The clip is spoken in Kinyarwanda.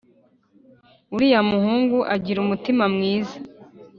uriya muhungu agira umutima mwiza